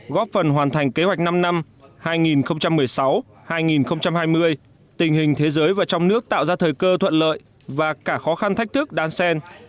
góp phần hoàn thành kế hoạch năm năm hai nghìn một mươi sáu hai nghìn hai mươi tình hình thế giới và trong nước tạo ra thời cơ thuận lợi và cả khó khăn thách thức đan sen